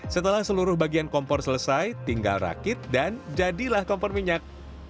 setelah seluruh bagian kompor selesai tinggal rakit dan jadilah kompor minyak